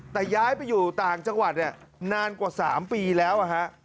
แต่ย้ายไปอยู่ต่างจังหวัดเนี่ยนานกว่า๓ปีแล้ว